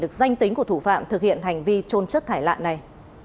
được danh tính của thủ phạm thực hiện hành vi trôn chất thải lạ này